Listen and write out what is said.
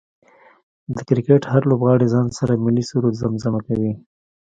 د کرکټ هر لوبغاړی ځان سره ملي سرود زمزمه کوي